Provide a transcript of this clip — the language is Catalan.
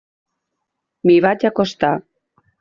M'hi vaig acostar.